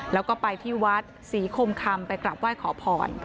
แล้วก็ไปที่วัดศรีคมคำไปกราบไหว้ขอพร